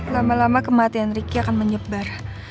lama lama kematian riki akan menyebar